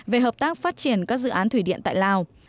về hợp tác phát triển các dự án thủy điện tại lào